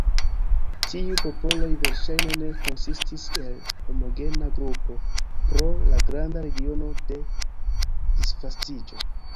Tiuj popoloj verŝajne ne konsistis el homogena grupo pro la granda regiono de disvastiĝo.